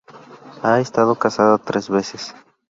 Ha estado casada tres veces.